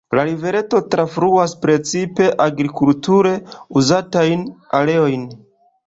La rivereto trafluas precipe agrikulture uzatajn areojn.